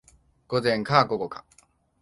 午前か午後か